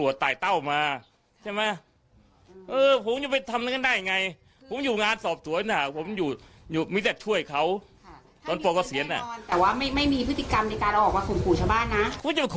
เดี๋ยวเดี๋ยวเดี๋ยว